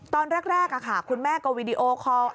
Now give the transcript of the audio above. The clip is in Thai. ตอนแรกคุณแม่ก็วีดีโอคอล